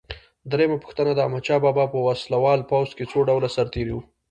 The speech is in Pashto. درېمه پوښتنه: د احمدشاه بابا په وسله وال پوځ کې څو ډوله سرتیري وو؟